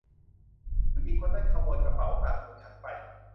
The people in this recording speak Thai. ผู้หญิงคนนั้นขโมยกระเป๋าตังค์ของฉันไป !